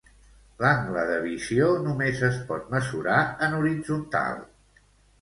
L'angle de visió només es pot mesurar en horitzontal.